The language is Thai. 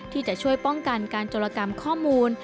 ที่จะช่วยป้องกันการจรกรรมข้อมูล